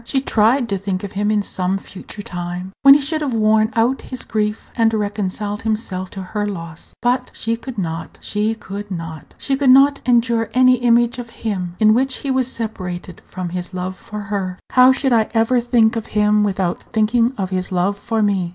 She tried to think of him in some future time, when he should have worn out his grief, and reconciled himself to her loss. But she could not, she could not! She could not endure any image of him in which he was separated from his love for her. "How should I ever think of him without thinking of his love for me?"